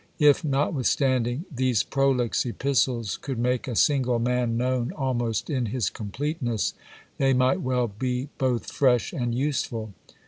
If, notwithstanding, these prolix epistles could make a single man known almost in his completeness, they might well be both fresh and useful.